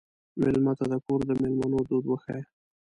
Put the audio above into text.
مېلمه ته د کور د مېلمنو دود وښیه.